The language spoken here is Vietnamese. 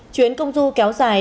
chuyến công du kéo dài